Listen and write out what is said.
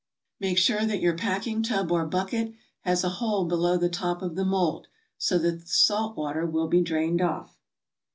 Make sure that your packing tub or bucket has a hole below the top of the mold, so that the salt water will be drained off.